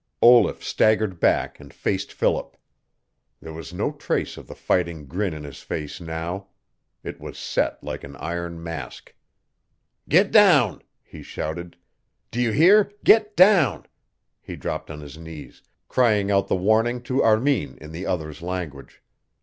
Olaf staggered back, and faced Philip. There was no trace of the fighting grin in his face now. It was set like an iron mask. "GET DOWN!" he shouted. "Do you hear, GET DOWN!" He dropped on his knees, crying out the warning to Armin in the other's language.